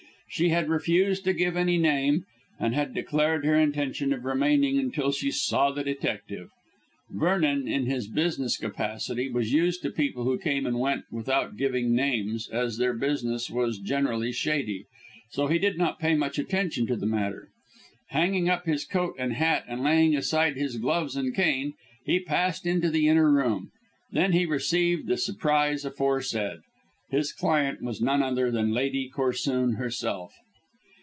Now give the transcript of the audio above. She had refused to give any name, and had declared her intention of remaining until she saw the detective. Vernon, in his business capacity, was used to people who came and went without giving names, as their business was generally shady, so he did not pay much attention to the matter. Hanging up his coat and hat and laying aside his gloves and cane, he passed into the inner room. Then he received the surprise aforesaid. His client was none other than Lady Corsoon herself.